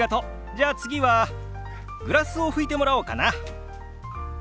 じゃあ次はグラスを拭いてもらおうかな。